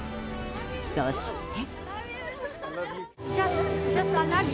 そして。